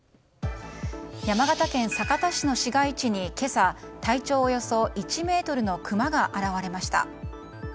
山形県酒田市の市街地に今朝、体長およそ１ｍのクマが現れました。